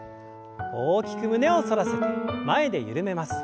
大きく胸を反らせて前で緩めます。